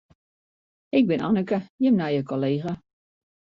Ik bin Anneke, jim nije kollega.